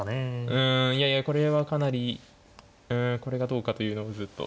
うんいやいやこれはかなりこれがどうかというのがずっと。